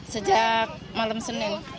sejak malam senin